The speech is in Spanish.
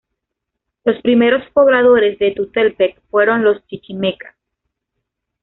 Los primeros pobladores de Tultepec fueron los Chichimecas.